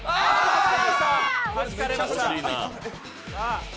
はじかれました。